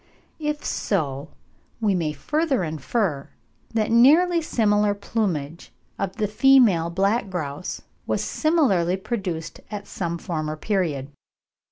If so, we may further infer that nearly similar plumage of the female black grouse was similarly produced at some former period.